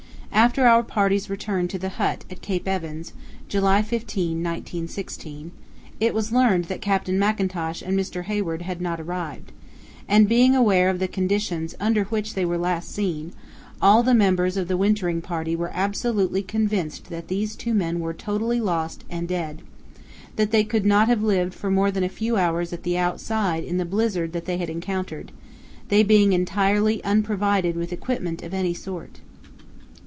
After our party's return to the hut at Cape Evans, July 15, 1916, it was learned that Captain Mackintosh and Mr. Hayward had not arrived; and, being aware of the conditions under which they were last seen, all the members of the wintering party were absolutely convinced that these two men were totally lost and dead—that they could not have lived for more than a few hours at the outside in the blizzard that they had encountered, they being entirely unprovided with equipment of any sort.